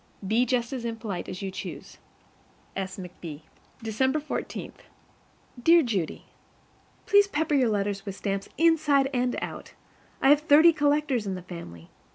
Be just as impolite as you choose. S. McB. December 14. Dear Judy: PLEASE pepper your letters with stamps, inside and out. I have thirty collectors in the family.